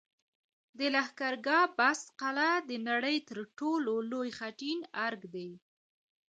د لښکرګاه بست قلعه د نړۍ تر ټولو لوی خټین ارک دی